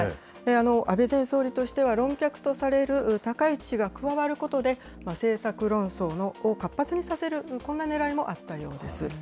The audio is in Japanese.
安倍前総理としては論客とされる高市氏が加わることで、政策論争を活発にさせる、こんなねらいもあったようです。